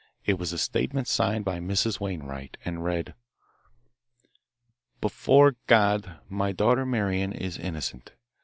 It was a statement signed by Mrs. Wainwright, and read: "Before God, my daughter Marian is innocent.